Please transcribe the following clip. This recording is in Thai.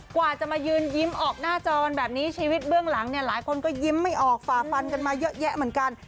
กว่าจะมายืนยิ้มออกหน้าจอกันแบบนี้ชีวิตเบื้องหลังเนี่ยหลายคนก็ยิ้มไม่ออกฝ่าฟันกันมาเยอะแยะเหมือนกัน